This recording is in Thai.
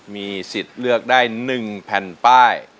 มีสิทธิ์เลือกได้๑แผ่นป้าย